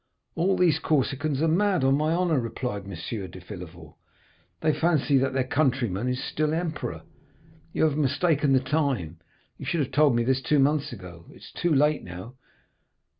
"'All these Corsicans are mad, on my honor,' replied M. de Villefort; 'they fancy that their countryman is still emperor. You have mistaken the time, you should have told me this two months ago, it is too late now.